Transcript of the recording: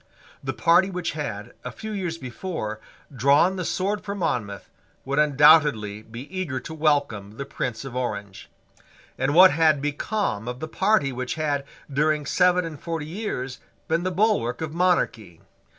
The party which had, a few years before, drawn the sword for Monmouth would undoubtedly be eager to welcome the Prince of Orange. And what had become of the party which had, during seven and forty years, been the bulwark of monarchy?